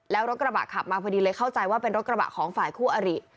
แล้วรถกระบะขับมาพอดีเลยเข้าใจว่าเป็นรถกระบะของฝ่ายคู่อริ